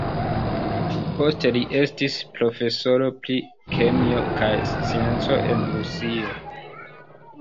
Poste li estis profesoro pri kemio kaj scienco en Rusio.